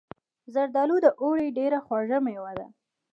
زردالو د اوړي ډیره خوږه میوه ده.